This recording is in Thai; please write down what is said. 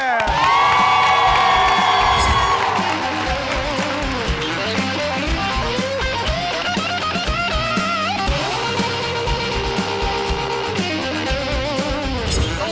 ขอบคุณมาก